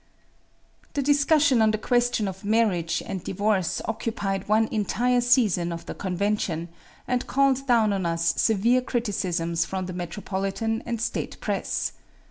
The discussion on the question of marriage and divorce occupied one entire session of the convention, and called down on us severe criticisms from the metropolitan and State press.